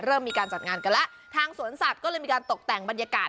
เริ่มมีการจัดงานกันแล้วทางสวนสัตว์ก็เลยมีการตกแต่งบรรยากาศ